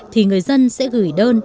thì người dân sẽ gửi đơn